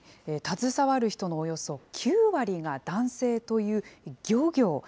携わる人のおよそ９割が男性という漁業。